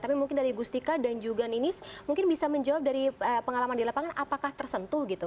tapi mungkin dari gustika dan juga ninis mungkin bisa menjawab dari pengalaman di lapangan apakah tersentuh gitu